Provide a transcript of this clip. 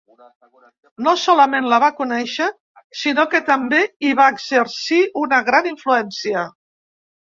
No solament la va conèixer, sinó que també hi va exercir una gran influència.